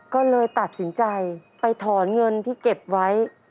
ก็เลยตัดสินใจไปถอนเงินที่เก็บไว้